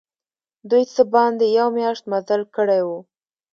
دوی څه باندي یوه میاشت مزل کړی وو.